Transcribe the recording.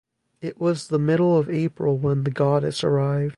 It was the middle of April when the goddess arrived.